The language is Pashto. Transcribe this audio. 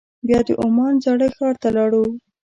بیا د عمان زاړه ښار ته لاړو.